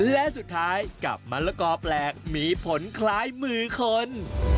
และสุดท้ายกับมะละกอแปลกมีผลคล้ายมือคน